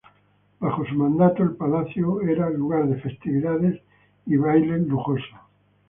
Bajo su mandato, el palacio era lugar de festividades y bailes lujosos.